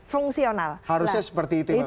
fungsional harusnya seperti itu